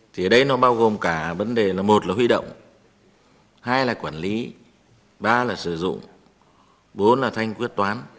thì ở đây nó bao gồm cả vấn đề là một là huy động hai là quản lý ba là sử dụng bốn là thanh quyết toán